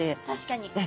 確かに。